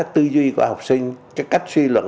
tư duy của học sinh cách suy luận